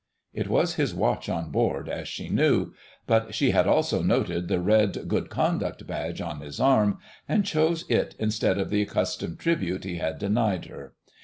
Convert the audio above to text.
It was his watch on board, as she knew; but she had also noted the red Good Conduct Badge on his arm, and chose it instead of the accustomed tribute he had denied her.